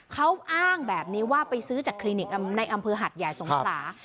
เขาอ้างแบบนี้ว่าไปซื้อจากคลินิกในอำเภอหัดใหญ่สงขลา